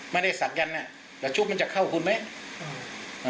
ไม่ได้ศักยันต์แล้วชุบมันจะเข้าคุณไหม